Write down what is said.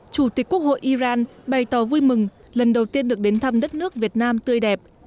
chủ tịch quốc hội iran bày tỏ vui mừng lần đầu tiên được đến thăm đất nước việt nam tươi đẹp